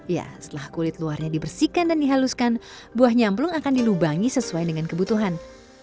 ya setelah kulit luarnya dibersihkan dan dihaluskan buah nyamplung akan dilubangi sesuai dengan kebutuhan